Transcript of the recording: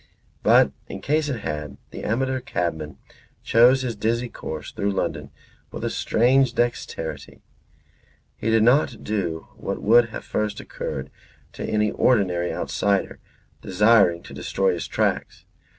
But in case it had, the amateur cabman chose his dizzy course through London with a strange dexterity. He did not do what would have first occurred to any ordinary outsider desiring to destroy his tracks.